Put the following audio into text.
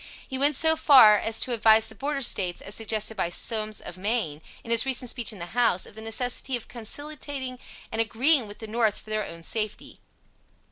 He went so far as to advise the Border States, as suggested by Somes, of Maine, in his recent speech in the House, of the necessity of conciliating and agreeing with the North for their own safety.